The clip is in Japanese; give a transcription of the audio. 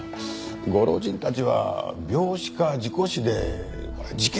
ご老人たちは病死か事故死でこれは事件性はありません。